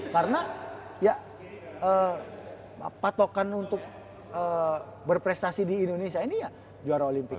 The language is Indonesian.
karena ya patokan untuk berprestasi di indonesia ini ya juara olimpik itu